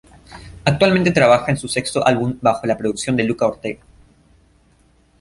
Actualmente trabaja en su sexto álbum bajo la producción de Luca Ortega.